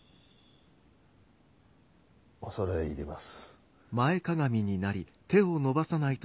恐れ入ります。